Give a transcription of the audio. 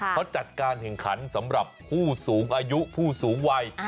เขาจัดการแข่งขันสำหรับผู้สูงอายุผู้สูงวัย